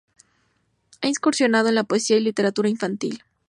Ha incursionado en la poesía y literatura infantil.